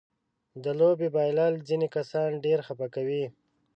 د لوبې بایلل ځينې کسان ډېر خپه کوي.